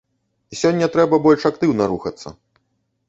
Сёння трэба больш актыўна рухацца.